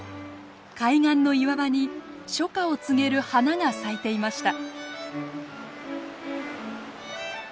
海岸の岩場に初夏を告げる花が咲いていました。